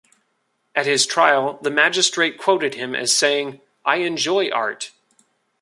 At his trial, the magistrate quoted him as saying, I enjoy art.